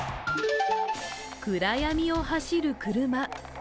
暗闇を走る車。